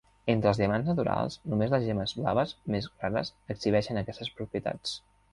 Entre els diamants naturals, només les gemmes blaves més rares exhibeixen aquestes propietats.